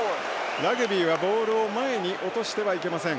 ラグビーは、ボールを前に落としてはいけません。